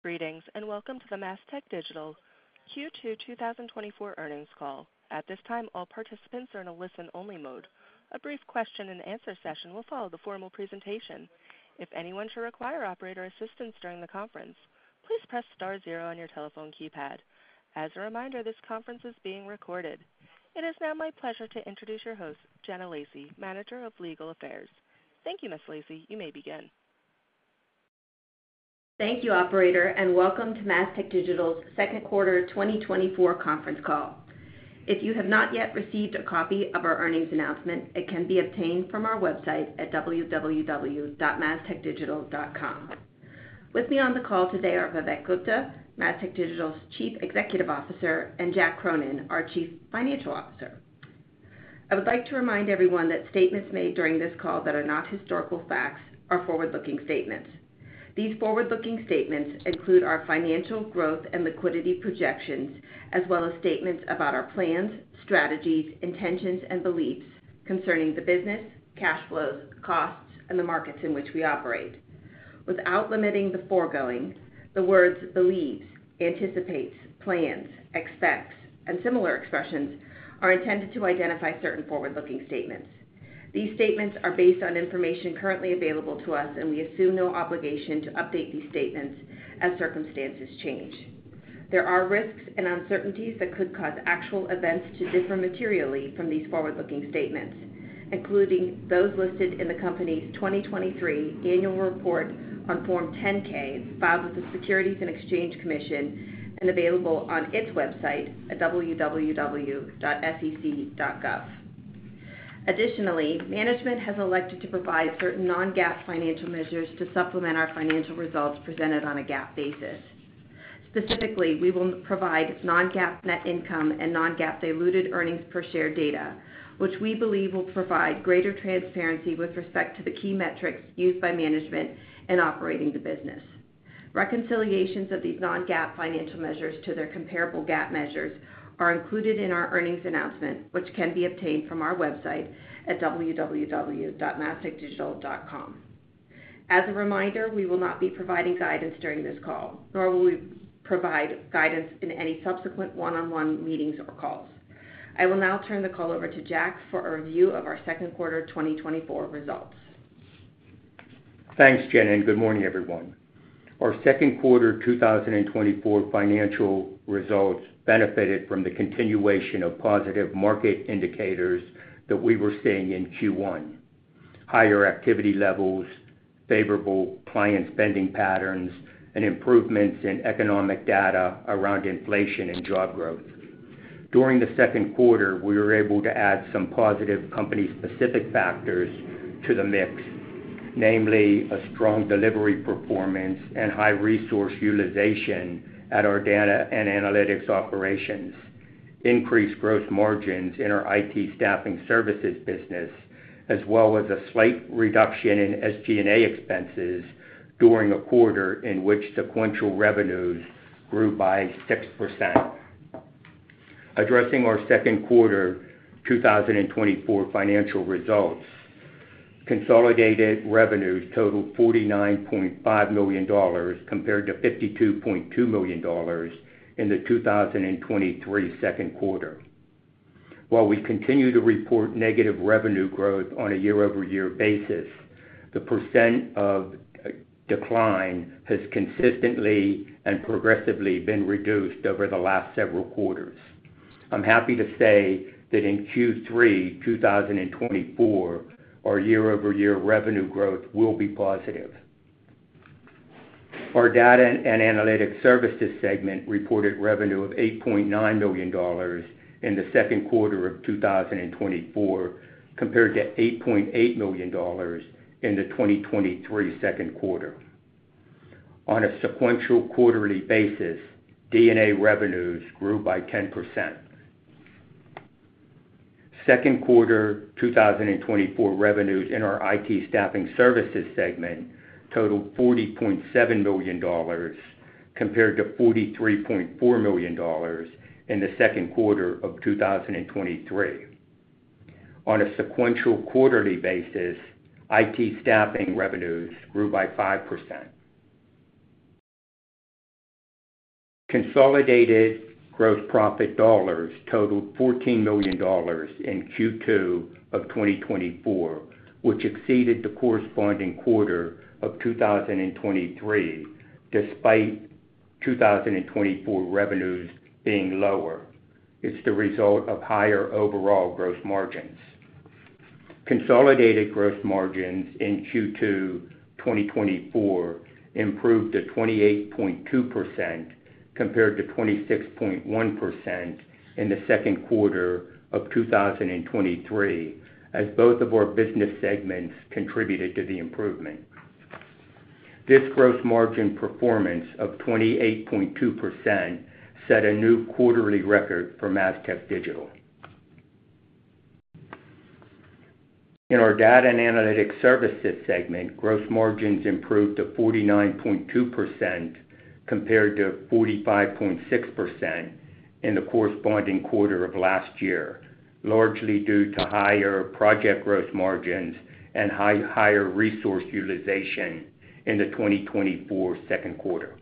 Greetings and welcome to the Mastech Digital Q2 2024 Earnings Call. At this time, all participants are in a listen-only mode. A brief question-and-answer session will follow the formal presentation. If anyone should require operator assistance during the conference, please press star zero on your telephone keypad. As a reminder, this conference is being recorded. It is now my pleasure to introduce your host, Janelle Lacey, Manager of Legal Affairs. Thank you, Ms. Lacey. You may begin. Thank you, Operator, and welcome to Mastech Digital's Second Quarter 2024 Conference Call. If you have not yet received a copy of our earnings announcement, it can be obtained from our website at www.mastechdigital.com. With me on the call today are Vivek Gupta, Mastech Digital's Chief Executive Officer, and Jack Cronin, our Chief Financial Officer. I would like to remind everyone that statements made during this call that are not historical facts are forward-looking statements. These forward-looking statements include our financial growth and liquidity projections, as well as statements about our plans, strategies, intentions, and beliefs concerning the business, cash flows, costs, and the markets in which we operate. Without limiting the foregoing, the words believes, anticipates, plans, expects, and similar expressions are intended to identify certain forward-looking statements. These statements are based on information currently available to us, and we assume no obligation to update these statements as circumstances change. There are risks and uncertainties that could cause actual events to differ materially from these forward-looking statements, including those listed in the company's 2023 annual report on Form 10-K filed with the Securities and Exchange Commission and available on its website at www.sec.gov. Additionally, management has elected to provide certain non-GAAP financial measures to supplement our financial results presented on a GAAP basis. Specifically, we will provide non-GAAP net income and non-GAAP diluted earnings per share data, which we believe will provide greater transparency with respect to the key metrics used by management in operating the business. Reconciliations of these non-GAAP financial measures to their comparable GAAP measures are included in our earnings announcement, which can be obtained from our website at www.mastechdigital.com. As a reminder, we will not be providing guidance during this call, nor will we provide guidance in any subsequent one-on-one meetings or calls. I will now turn the call over to Jack for a review of our second quarter 2024 results. Thanks, Jenna. Good morning, everyone. Our second quarter 2024 financial results benefited from the continuation of positive market indicators that we were seeing in Q1: higher activity levels, favorable client spending patterns, and improvements in economic data around inflation and job growth. During the second quarter, we were able to add some positive company-specific factors to the mix, namely a strong delivery performance and high resource utilization at our data and analytics operations, increased gross margins in our IT staffing services business, as well as a slight reduction in SG&A expenses during a quarter in which sequential revenues grew by 6%. Addressing our second quarter 2024 financial results, consolidated revenues totaled $49.5 million compared to $52.2 million in the 2023 second quarter. While we continue to report negative revenue growth on a year-over-year basis, the percent of decline has consistently and progressively been reduced over the last several quarters. I'm happy to say that in Q3 2024, our year-over-year revenue growth will be positive. Our Data and Analytics Services segment reported revenue of $8.9 million in the second quarter of 2024 compared to $8.8 million in the 2023 second quarter. On a sequential quarterly basis, D&A revenues grew by 10%. Second quarter 2024 revenues in our IT Staffing Services segment totaled $40.7 million compared to $43.4 million in the second quarter of 2023. On a sequential quarterly basis, IT staffing revenues grew by 5%. Consolidated gross profit dollars totaled $14 million in Q2 of 2024, which exceeded the corresponding quarter of 2023 despite 2024 revenues being lower. It's the result of higher overall gross margins. Consolidated gross margins in Q2 2024 improved to 28.2% compared to 26.1% in the second quarter of 2023, as both of our business segments contributed to the improvement. This gross margin performance of 28.2% set a new quarterly record for Mastech Digital. In our Data and Analytics Services segment, gross margins improved to 49.2% compared to 45.6% in the corresponding quarter of last year, largely due to higher project gross margins and higher resource utilization in the 2024 second quarter.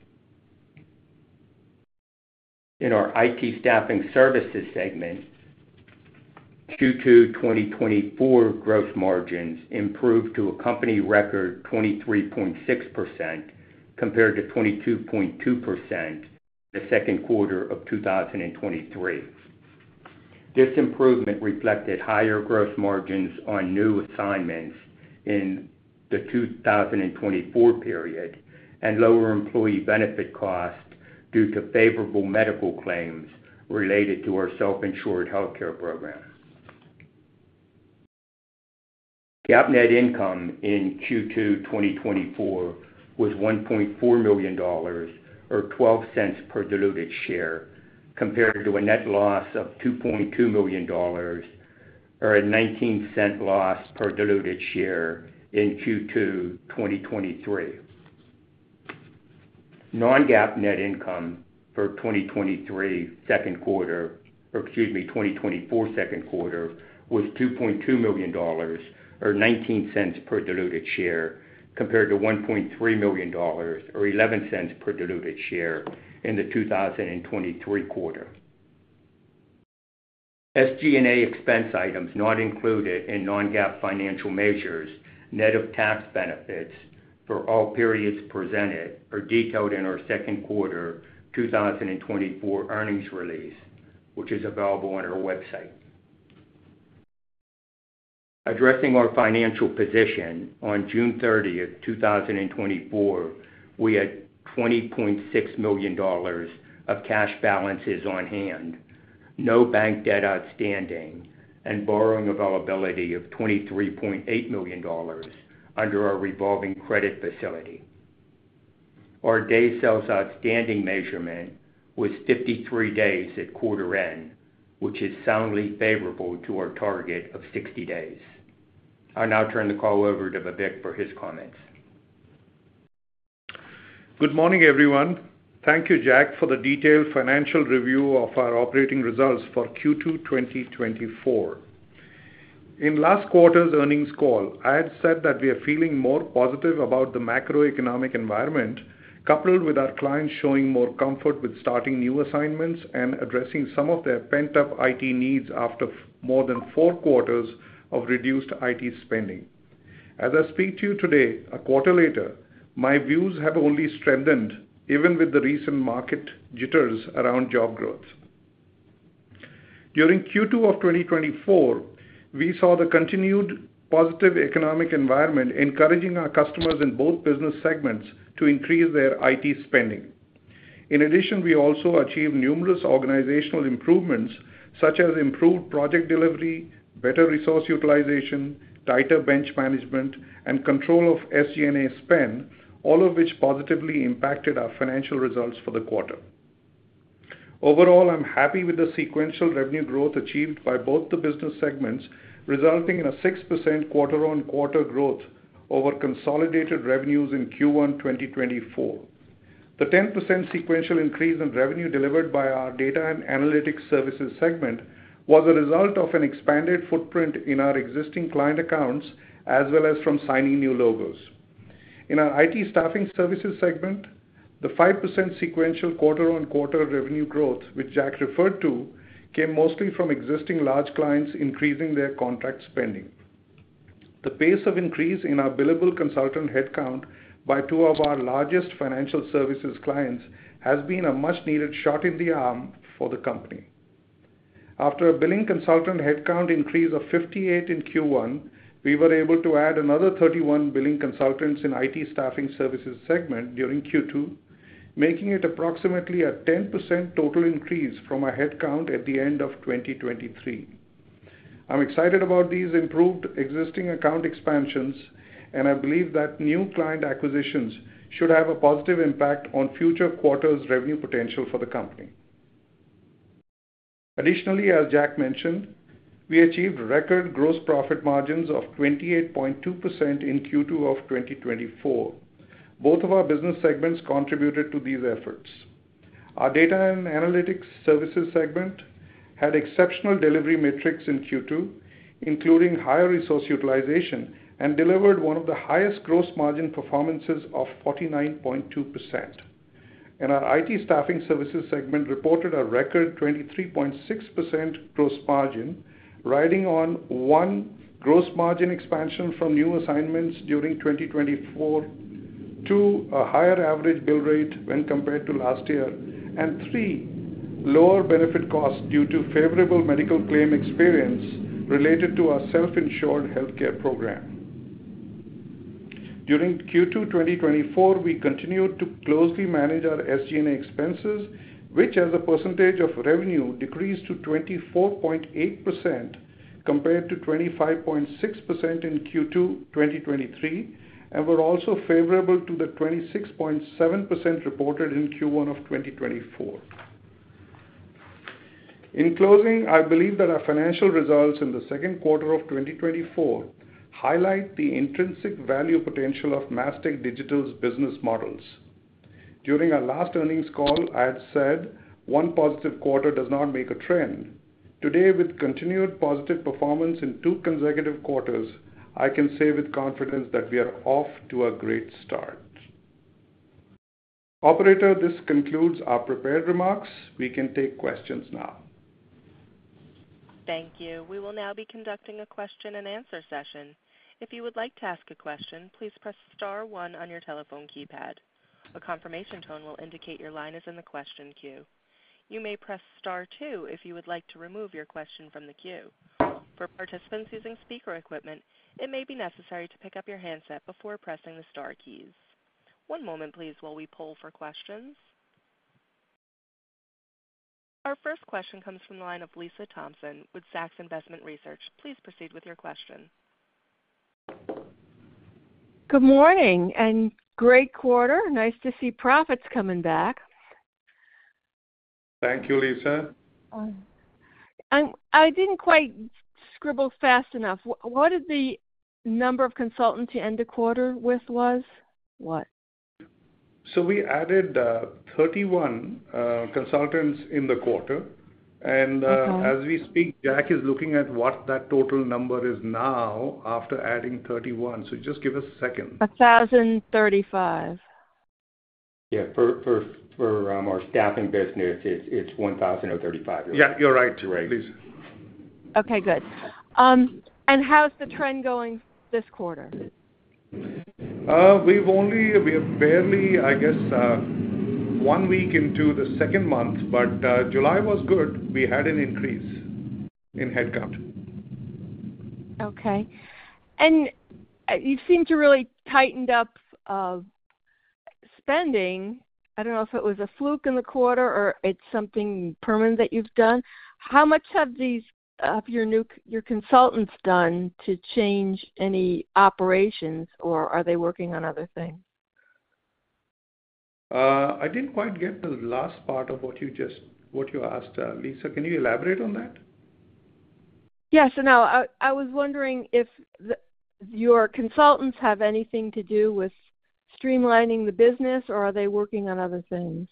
In our IT Staffing Services segment, Q2 2024 gross margins improved to a company record 23.6% compared to 22.2% in the second quarter of 2023. This improvement reflected higher gross margins on new assignments in the 2024 period and lower employee benefit costs due to favorable medical claims related to our self-insured healthcare program. GAAP net income in Q2 2024 was $1.4 million or $0.12 per diluted share compared to a net loss of $2.2 million or a $0.19 loss per diluted share in Q2 2023. Non-GAAP net income for 2023 second quarter or excuse me, 2024 second quarter was $2.2 million or $0.19 per diluted share compared to $1.3 million or $0.11 per diluted share in the 2023 quarter. SG&A expense items not included in non-GAAP financial measures net of tax benefits for all periods presented are detailed in our second quarter 2024 earnings release, which is available on our website. Addressing our financial position, on June 30, 2024, we had $20.6 million of cash balances on hand, no bank debt outstanding, and borrowing availability of $23.8 million under our revolving credit facility. Our day sales outstanding measurement was 53 days at quarter end, which is soundly favorable to our target of 60 days. I'll now turn the call over to Vivek for his comments. Good morning, everyone. Thank you, Jack, for the detailed financial review of our operating results for Q2 2024. In last quarter's earnings call, I had said that we are feeling more positive about the macroeconomic environment, coupled with our clients showing more comfort with starting new assignments and addressing some of their pent-up IT needs after more than four quarters of reduced IT spending. As I speak to you today, a quarter later, my views have only strengthened, even with the recent market jitters around job growth. During Q2 of 2024, we saw the continued positive economic environment encouraging our customers in both business segments to increase their IT spending. In addition, we also achieved numerous organizational improvements, such as improved project delivery, better resource utilization, tighter bench management, and control of SG&A spend, all of which positively impacted our financial results for the quarter. Overall, I'm happy with the sequential revenue growth achieved by both the business segments, resulting in a 6% quarter-on-quarter growth over consolidated revenues in Q1 2024. The 10% sequential increase in revenue delivered by our Data and Analytics Services segment was a result of an expanded footprint in our existing client accounts, as well as from signing new logos. In our IT Staffing Services segment, the 5% sequential quarter-on-quarter revenue growth, which Jack referred to, came mostly from existing large clients increasing their contract spending. The pace of increase in our billable consultant headcount by two of our largest financial services clients has been a much-needed shot in the arm for the company. After a billing consultant headcount increase of 58 in Q1, we were able to add another 31 billing consultants in IT Staffing Services segment during Q2, making it approximately a 10% total increase from our headcount at the end of 2023. I'm excited about these improved existing account expansions, and I believe that new client acquisitions should have a positive impact on future quarters' revenue potential for the company. Additionally, as Jack mentioned, we achieved record gross profit margins of 28.2% in Q2 of 2024. Both of our business segments contributed to these efforts. Our Data and Analytics Services segment had exceptional delivery metrics in Q2, including higher resource utilization, and delivered one of the highest gross margin performances of 49.2%. Our IT staffing services segment reported a record 23.6% gross margin, riding on one gross margin expansion from new assignments during 2024, two, a higher average bill rate when compared to last year, and three, lower benefit costs due to favorable medical claim experience related to our self-insured healthcare program. During Q2 2024, we continued to closely manage our SG&A expenses, which, as a percentage of revenue, decreased to 24.8% compared to 25.6% in Q2 2023, and were also favorable to the 26.7% reported in Q1 of 2024. In closing, I believe that our financial results in the second quarter of 2024 highlight the intrinsic value potential of Mastech Digital's business models. During our last earnings call, I had said one positive quarter does not make a trend. Today, with continued positive performance in two consecutive quarters, I can say with confidence that we are off to a great start. Operator, this concludes our prepared remarks. We can take questions now. Thank you. We will now be conducting a question-and-answer session. If you would like to ask a question, please press star one on your telephone keypad. A confirmation tone will indicate your line is in the question queue. You may press star two if you would like to remove your question from the queue. For participants using speaker equipment, it may be necessary to pick up your handset before pressing the star keys. One moment, please, while we pull for questions. Our first question comes from the line of Lisa Thompson with Zacks Investment Research. Please proceed with your question. Good morning and great quarter. Nice to see profits coming back. Thank you, Lisa. I didn't quite scribble fast enough. What did the number of consultants you end the quarter with was? What? So we added 31 consultants in the quarter. And as we speak, Jack is looking at what that total number is now after adding 31. So just give us a second. 1,035. Yeah. For our staffing business, it's 1,035. Yeah, you're right. Please. Okay, good. How's the trend going this quarter? We've barely, I guess, one week into the second month, but July was good. We had an increase in headcount. Okay. You seem to really tightened up spending. I don't know if it was a fluke in the quarter or it's something permanent that you've done. How much have your consultants done to change any operations, or are they working on other things? I didn't quite get the last part of what you asked. Lisa, can you elaborate on that? Yes. I was wondering if your consultants have anything to do with streamlining the business, or are they working on other things?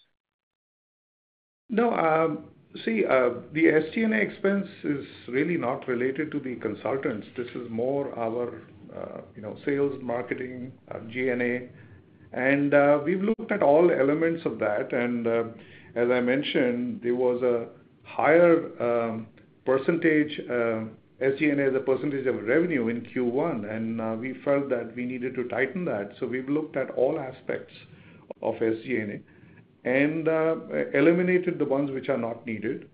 No. See, the SG&A expense is really not related to the consultants. This is more our sales, marketing, SG&A. We've looked at all elements of that. As I mentioned, there was a higher % SG&A as a percentage of revenue in Q1, and we felt that we needed to tighten that. We've looked at all aspects of SG&A and eliminated the ones which are not needed.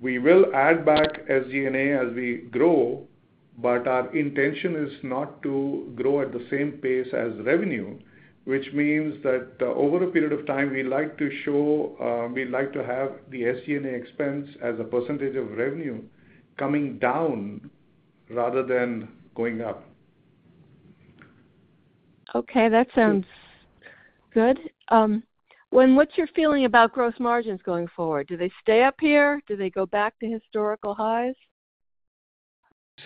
We will add back SG&A as we grow, but our intention is not to grow at the same pace as revenue, which means that over a period of time, we'd like to show we'd like to have the SG&A expense as a percentage of revenue coming down rather than going up. Okay. That sounds good. What's your feeling about gross margins going forward? Do they stay up here? Do they go back to historical highs?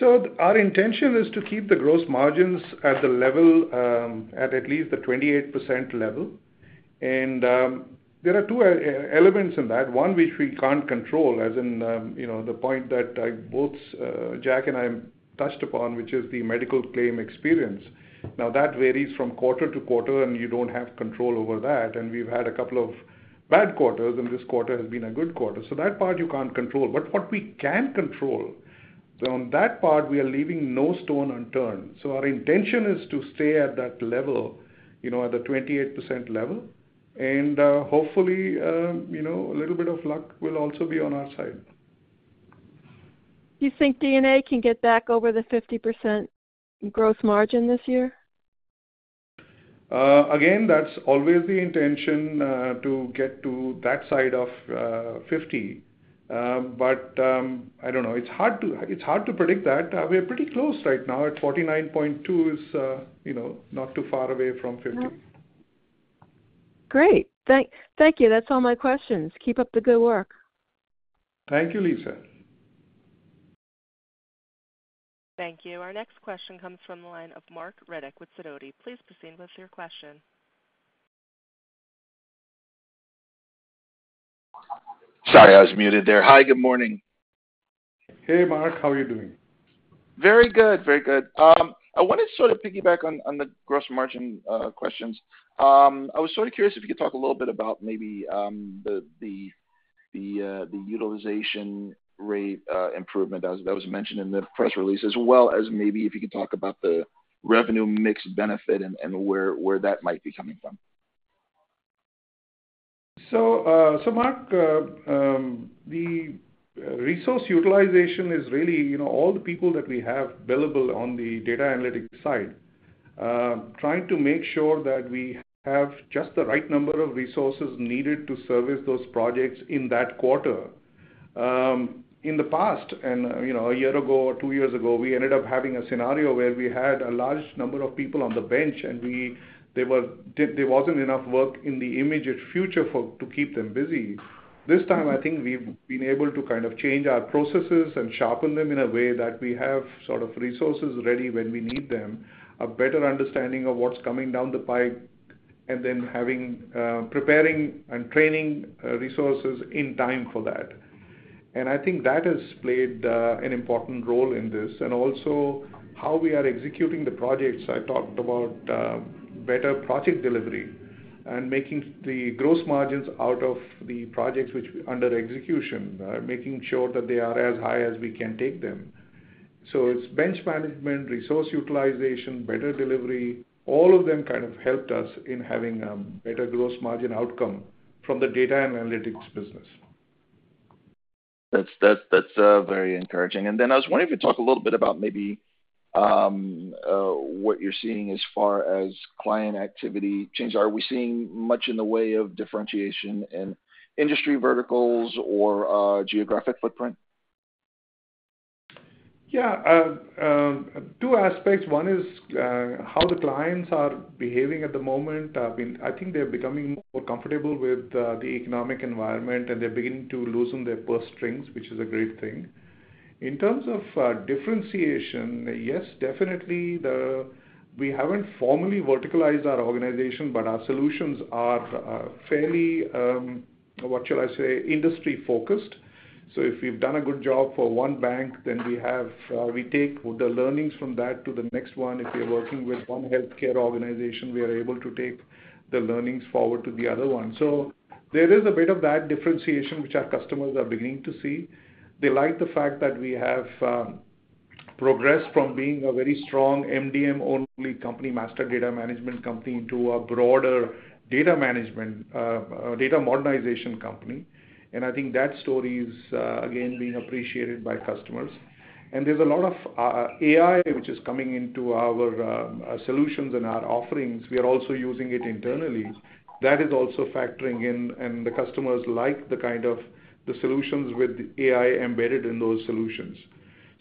Our intention is to keep the gross margins at the level at least the 28% level. There are two elements in that. One, which we can't control, as in the point that both Jack and I touched upon, which is the medical claim experience. Now, that varies from quarter to quarter, and you don't have control over that. We've had a couple of bad quarters, and this quarter has been a good quarter. That part you can't control. But what we can control, on that part, we are leaving no stone unturned. Our intention is to stay at that level, at the 28% level. Hopefully, a little bit of luck will also be on our side. You think SG&A can get back over the 50% gross margin this year? Again, that's always the intention to get to that side of 50. But I don't know. It's hard to predict that. We're pretty close right now. At 49.2, it's not too far away from 50. Great. Thank you. That's all my questions. Keep up the good work. Thank you, Lisa. Thank you. Our next question comes from the line of Marc Riddick with Sidoti. Please proceed with your question. Sorry, I was muted there. Hi, good morning. Hey, Marc. How are you doing? Very good. Very good. I wanted to sort of piggyback on the gross margin questions. I was sort of curious if you could talk a little bit about maybe the utilization rate improvement that was mentioned in the press release, as well as maybe if you could talk about the revenue mix benefit and where that might be coming from? So, Marc, the resource utilization is really all the people that we have billable on the data analytics side, trying to make sure that we have just the right number of resources needed to service those projects in that quarter. In the past, and a year ago or 2 years ago, we ended up having a scenario where we had a large number of people on the bench, and there wasn't enough work in the immediate future to keep them busy. This time, I think we've been able to kind of change our processes and sharpen them in a way that we have sort of resources ready when we need them, a better understanding of what's coming down the pipe, and then preparing and training resources in time for that. And I think that has played an important role in this. And also, how we are executing the projects. I talked about better project delivery and making the gross margins out of the projects which are under execution, making sure that they are as high as we can take them. So it's bench management, resource utilization, better delivery. All of them kind of helped us in having a better gross margin outcome from the data and analytics business. That's very encouraging. Then I was wondering if you could talk a little bit about maybe what you're seeing as far as client activity change. Are we seeing much in the way of differentiation in industry verticals or geographic footprint? Yeah. Two aspects. One is how the clients are behaving at the moment. I think they're becoming more comfortable with the economic environment, and they're beginning to loosen their purse strings, which is a great thing. In terms of differentiation, yes, definitely, we haven't formally verticalized our organization, but our solutions are fairly, what shall I say, industry-focused. So if we've done a good job for one bank, then we take the learnings from that to the next one. If we're working with one healthcare organization, we are able to take the learnings forward to the other one. So there is a bit of that differentiation, which our customers are beginning to see. They like the fact that we have progressed from being a very strong MDM-only company, Master Data Management company, into a broader data modernization company. And I think that story is, again, being appreciated by customers. There's a lot of AI, which is coming into our solutions and our offerings. We are also using it internally. That is also factoring in, and the customers like the solutions with AI embedded in those solutions.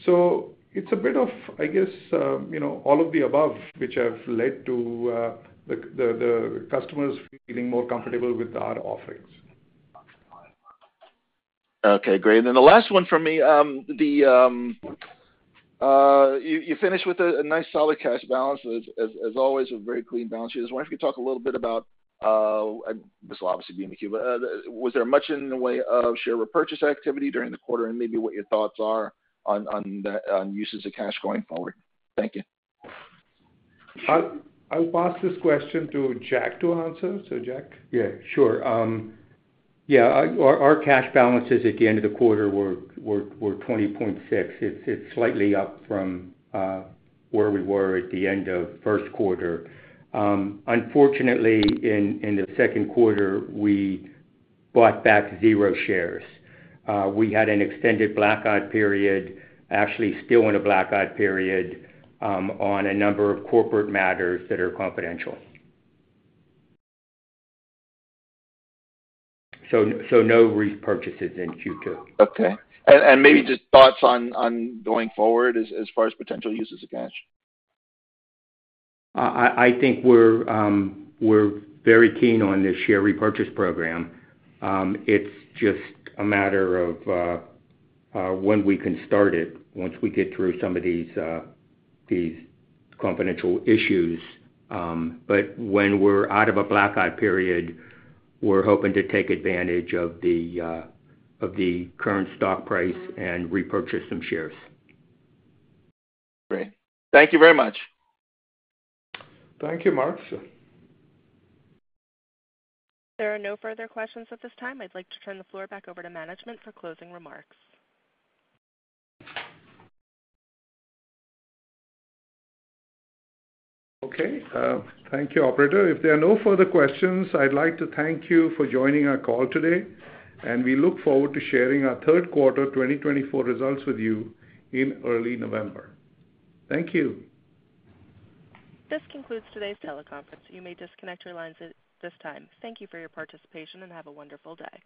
So it's a bit of, I guess, all of the above, which have led to the customers feeling more comfortable with our offerings. Okay. Great. And then the last one for me, you finished with a nice solid cash balance. As always, a very clean balance sheet. I was wondering if you could talk a little bit about, this will obviously be in the queue, but was there much in the way of share repurchase activity during the quarter and maybe what your thoughts are on uses of cash going forward? Thank you. I'll pass this question to Jack to answer. So, Jack? Yeah. Sure. Yeah. Our cash balances at the end of the quarter were $20.6 million. It's slightly up from where we were at the end of first quarter. Unfortunately, in the second quarter, we bought back zero shares. We had an extended blackout period, actually still in a blackout period, on a number of corporate matters that are confidential. So no repurchases in Q2. Okay. And maybe just thoughts on going forward as far as potential uses of cash? I think we're very keen on this share repurchase program. It's just a matter of when we can start it once we get through some of these confidential issues. But when we're out of a blackout period, we're hoping to take advantage of the current stock price and repurchase some shares. Great. Thank you very much. Thank you, Marc. If there are no further questions at this time, I'd like to turn the floor back over to management for closing remarks. Okay. Thank you, Operator. If there are no further questions, I'd like to thank you for joining our call today. We look forward to sharing our third quarter 2024 results with you in early November. Thank you. This concludes today's teleconference. You may disconnect your lines at this time. Thank you for your participation and have a wonderful day.